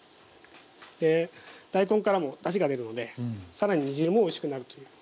大根からもだしが出るのでさらに煮汁もおいしくなるという。